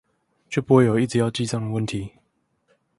就不會有一直要記帳的問題